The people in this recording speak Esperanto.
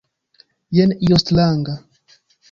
Jen io stranga.